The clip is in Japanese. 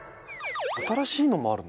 新しいのもあるの？